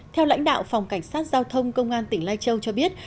theo lãnh đạo phòng cảnh sát giao thông công an tỉnh lai châu cho biết